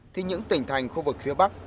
thì những tỉnh thành khu vực phía bắc